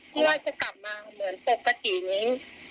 ช่วงกลับมาหรือเปล่าปกตินี้